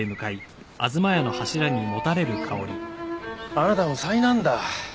あなたも災難だ。